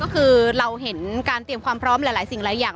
ก็คือเราเห็นการเตรียมความพร้อมหลายสิ่งหลายอย่าง